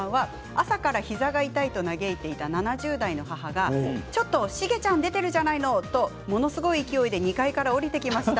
朝から膝が痛いと嘆いていた７０代の母がちょっとシゲちゃん出ているじゃないの！とものすごい勢いで２階から下りてきました。